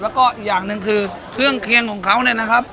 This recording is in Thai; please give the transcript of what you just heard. แล้วก็อีกอย่างหนึ่งคือเครื่องเคียงของเขาเนี่ยนะครับ